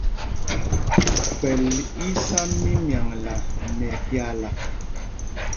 Kpɛ̂l í sá mímyaŋla nɛ ɛpyaala.